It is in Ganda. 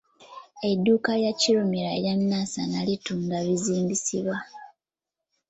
Edduuka lya Kirumira ery’e Nansana litunda bizimbisibwa.